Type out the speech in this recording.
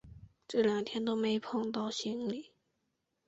这两天都没碰到行李